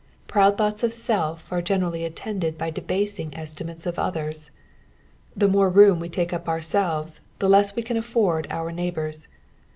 Proud thoughts of self are generally attended by debasing estimates of others. The more room we take up ourselves, the less we can aJIord our neighbours.